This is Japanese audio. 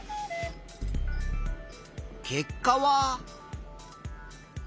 結果は。